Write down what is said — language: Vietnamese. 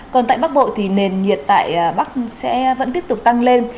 còn tại bắc bộ thì nền nhiệt tại bắc sẽ vẫn tiếp tục tăng lên